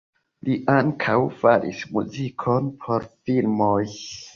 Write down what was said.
Li ankaŭ faris muzikon por filmoj.